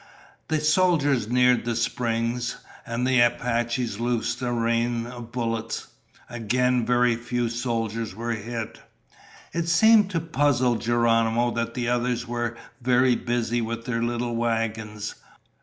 The soldiers neared the springs, and the Apaches loosed a rain of bullets. Again, very few soldiers were hit. It seemed to the puzzled Geronimo that the others were very busy with their little wagons.